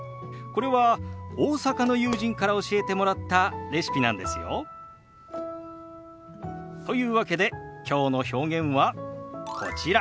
これは大阪の友人から教えてもらったレシピなんですよ。というわけできょうの表現はこちら。